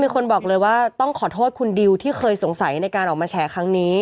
คนบอกเลยว่าต้องขอโทษคุณดิวที่เคยสงสัยในการออกมาแฉครั้งนี้